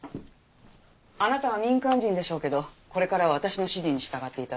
あなたは民間人でしょうけどこれからは私の指示に従って頂きます。